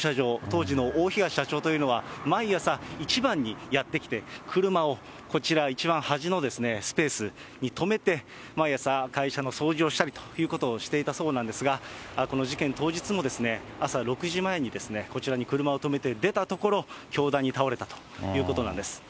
当時の大東社長というのは、毎朝、一番にやって来て、車をこちら、一番端のスペースに止めて、毎朝、会社の掃除をしたりということをしていたそうなんですが、この事件当日も朝６時前にこちらに車を止めて、出たところ、凶弾に倒れたということなんです。